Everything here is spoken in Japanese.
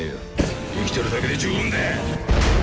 生きてるだけで十分だ！